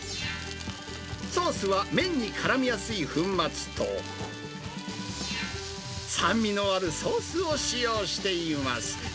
ソースは麺にからみやすい粉末と、酸味のあるソースを使用しています。